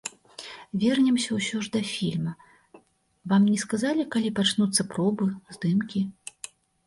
Вернемся ўсё ж да фільма, вам не сказалі, калі пачнуцца пробы, здымкі?